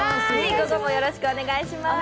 午後もよろしくお願いします。